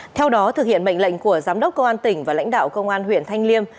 theo đó thực hiện mệnh lệnh của giám đốc công an tỉnh và lãnh đạo công an huyện thanh liêm